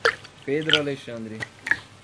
Pedro Alexandre